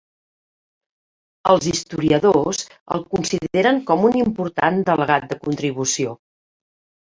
Els historiadors el consideren com un important delegat de contribució.